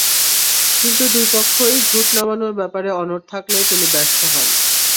কিন্তু দুই পক্ষই ঝুট নামানোর ব্যাপারে অনড় থাকলে তিনি ব্যর্থ হন।